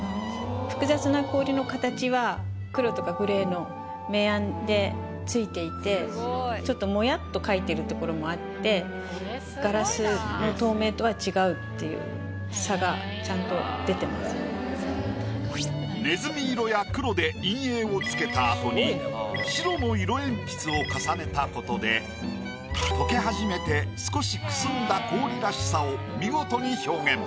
複雑な氷の形は黒とかグレーの明暗でついていてちょっとモヤっと描いてるところもあってねずみ色や黒で陰影をつけたあとに白の色鉛筆を重ねたことで溶けはじめて少しくすんだ氷らしさを見事に表現。